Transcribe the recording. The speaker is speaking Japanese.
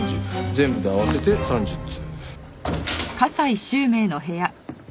全部で合わせて３０通。